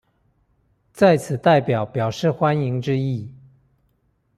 在此代表表示歡迎之意